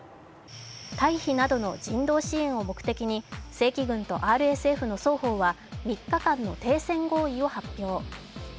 退避などの人道支援を目的に正規軍とＲＳＦの双方は３日間の停戦合意を発表。